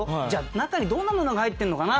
中にどんなものが入ってんのかな？